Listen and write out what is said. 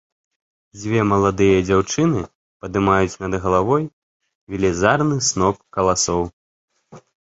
Дзве маладыя дзяўчыны падымаюць над галавой велізарны сноп каласоў.